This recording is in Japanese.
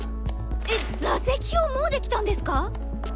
えっ座席表もうできたんですか！？